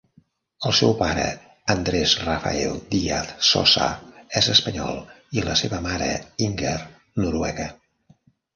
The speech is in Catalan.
El seu pare, Andrés Rafael Diaz Sosa, és espanyol, i la seva mare, Inger, noruega.